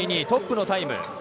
トップのタイム。